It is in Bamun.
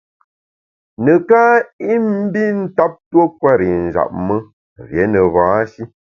Neká i mbi ntap tuo kwer i njap me, rié ne ba-shi.